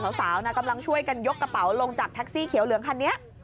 สาวนะกำลังช่วยกันยกกระเป๋าลงจากแท็กซี่เขียวเหลืองคันนี้